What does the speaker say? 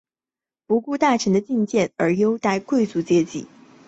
不顾大臣的进谏而优待贵族阶层。